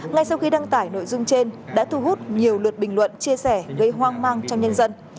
ngay sau khi đăng tải nội dung trên đã thu hút nhiều lượt bình luận chia sẻ gây hoang mang trong nhân dân